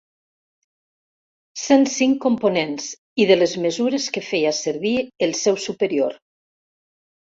Cent cinc components i de les mesures que feia servir el seu superior.